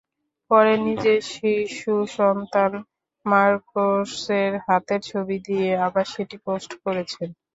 পরে নিজের শিশুসন্তান মার্কোসের হাতের ছবি দিয়ে আবার সেটি পোস্ট করেছেন।